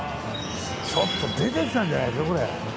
ちょっと出てきたんじゃないですかこれ。